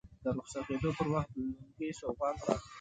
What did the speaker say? د رخصتېدو پر وخت لونګۍ سوغات راکړه.